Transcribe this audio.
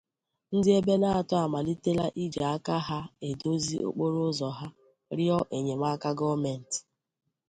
Ndị Ebenator Amalitela Iji Aka Ha Edozi Okporoụzọ Ha, Rịọ Enyemaka Gọọmentị